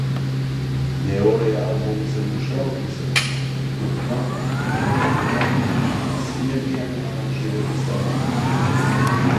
მეორე ალბომზე მუშაობისას ჯგუფმა გადაწყვიტა სიმებიანი არანჟირების გამოყენება.